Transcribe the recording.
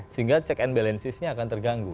sehingga check and balancesnya akan terganggu